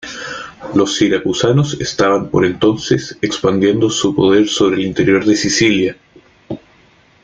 Los siracusanos estaban por entonces expandiendo su poder sobre el interior de Sicilia.